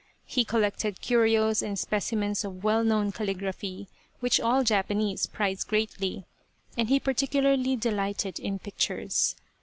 He collected curios and specimens of well known calligraphy, which all Japanese prize greatly, and he particularly delighted in pictures.